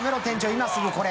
今すぐこれ。